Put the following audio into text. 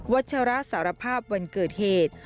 ชราสารภาพวันเกิดเหตุ